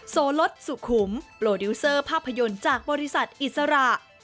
โซลสสุขุมโปรดิวเซอร์ภาพยนตร์จากบริษัทอิสระ